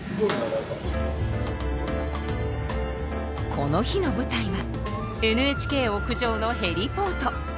この日の舞台はＮＨＫ屋上のヘリポート。